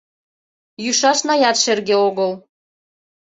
Йӱшашнаят шерге огыл